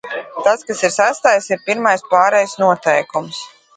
Tas, kas ir sestais, ir pirmais pārejas noteikums.